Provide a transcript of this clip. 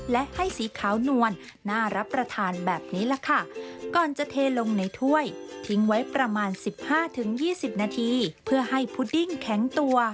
ทิ้งไว้ประมาณสิบห้าถึงยี่สิบนาทีเพื่อให้พุดดิ้งแข็งตัว